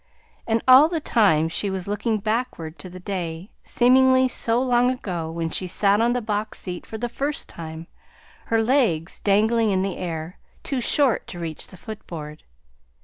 And all the time she was looking backward to the day, seemingly so long ago, when she sat on the box seat for the first time, her legs dangling in the air, too short to reach the footboard.